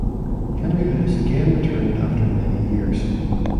Henry Lewis again returned after many years.